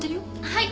はい！